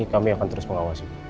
kami akan terus mengawasi